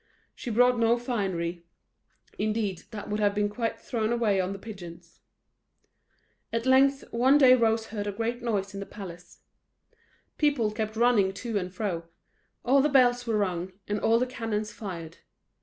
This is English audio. She brought no finery; indeed, that would have been quite thrown away on the pigeons. At length, one day Rose heard a great noise in the palace. People kept running to and fro all the bells were rung, and all the cannons fired.